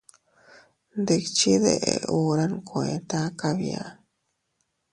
Ndikchi deʼe hura nkueta kabia.